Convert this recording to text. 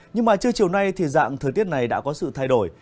nhưng mà trưa chiều nay thì dạng thời tiết này đã có sự thay đổi